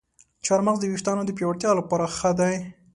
چارمغز د ویښتانو د پیاوړتیا لپاره ښه دی.